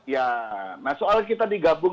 ya nah soal kita digabung